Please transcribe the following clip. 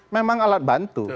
memang alat bantu